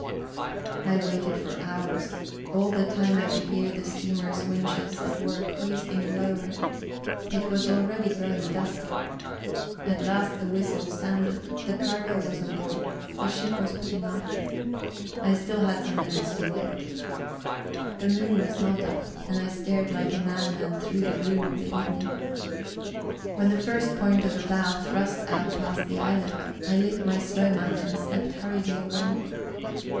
I waited for hours. All the time I could hear the steamer's winches at work hoisting and lowering. It was already growing dusk. At last the whistle sounded: the cargo was on board, the ship was putting off. I still had some minutes to wait. The moon was not up, and I stared like a madman through the gloom of the evening. When the first point of the bow thrust out past the islet, I lit my slow match and stepped hurriedly away.